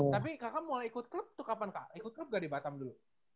tapi kakak mulai ikut klub tuh kapan kak ikut klub gak di batam dulu